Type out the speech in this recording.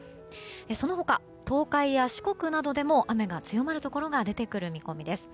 その他、東海や四国などでも雨が強まるところが出てくる見込みです。